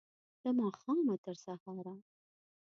له ماښامه، تر سهاره